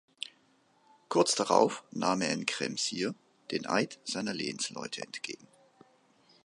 Kurz darauf nahm er in Kremsier den Eid seiner Lehensleute entgegen.